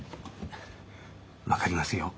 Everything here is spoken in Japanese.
分かりますよ。